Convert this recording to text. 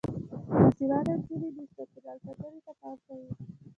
باسواده نجونې د چاپیریال ساتنې ته پام کوي.